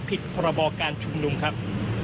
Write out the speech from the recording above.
ผิดประบอการชุมนุมครับ